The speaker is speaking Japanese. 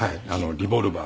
リボルバー。